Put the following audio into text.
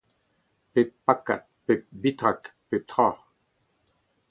pep pakad, pep bitrak, pep tra.